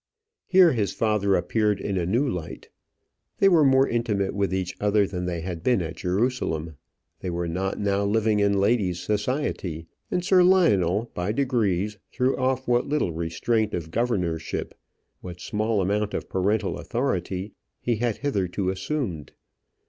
Here his father appeared in a new light: they were more intimate with each other than they had been at Jerusalem; they were not now living in ladies' society, and Sir Lionel by degrees threw off what little restraint of governorship, what small amount of parental authority he had hitherto assumed.